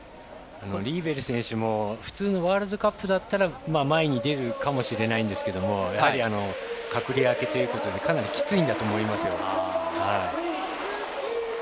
リーベル選手も普通のワールドカップだったら前に出るかもしれないんですけどやはり、隔離明けということでかなりきついんだと思います。